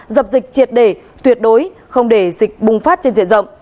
dập dịch triệt đề tuyệt đối không để dịch bùng phát trên diện rộng